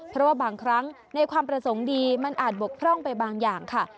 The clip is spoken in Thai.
เพราะว่าบางครั้งในความประสงค์ดีมันอาจบกพร่องไปบางอย่างค่ะ